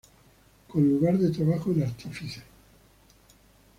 Con lugar de Trabajo en Artífice.